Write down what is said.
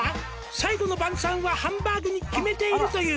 「最後の晩餐はハンバーグに決めているという」